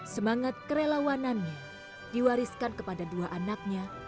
semangat kerelawanannya diwariskan kepada dua anaknya